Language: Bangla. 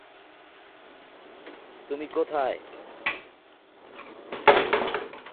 আমস্টারডাম এই এয়ারলাইন্স এর গুরুত্বপূর্ণ হাব।